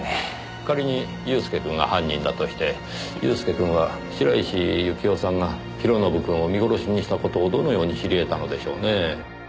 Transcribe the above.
仮に祐介くんが犯人だとして祐介くんは白石幸生さんが弘信くんを見殺しにした事をどのように知り得たのでしょうねぇ。